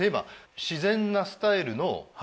自然なスタイルの。